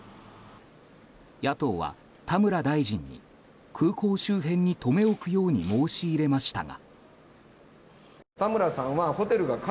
野党は田村大臣に空港周辺に留め置くように申し入れましたが。